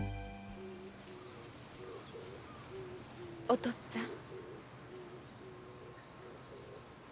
・お父っつぁん。